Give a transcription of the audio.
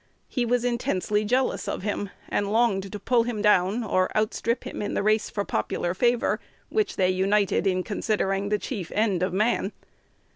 He was intensely jealous of him, and longed to pull him down, or outstrip him in the race for popular favor, which they united in considering "the chief end of man."